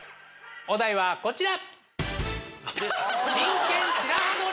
お題はこちら。